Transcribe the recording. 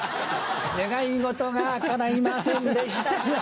願い事がかないませんでした。